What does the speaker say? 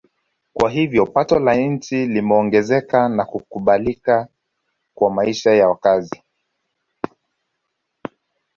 Kwa hiyo pato la wananchi limeongezeka na kubadilika kwa maisha ya wakazi